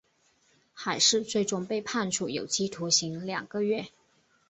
海氏最终被判处有期徒刑两个月。